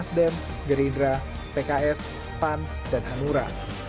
nasdem gerindra pks pan dan hanura